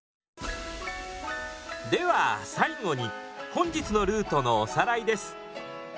では最後に本日のルートのおさらいです。